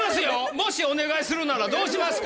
もしお願いするならどうしますか？